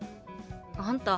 あんた